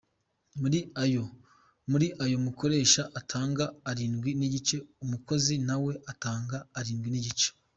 Muri ayo umukoresha atanga arindwi n’igice, umukozi na we agatanga arindwi n’igice.